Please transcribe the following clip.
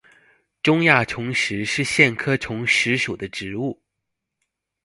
中亚虫实是苋科虫实属的植物。